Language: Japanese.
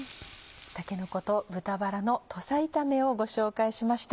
「たけのこと豚バラの土佐炒め」をご紹介しました。